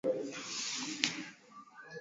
leo unakuja kutibiwa unakuta una shinikizo la damu